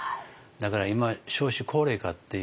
だから今少子高齢化っていう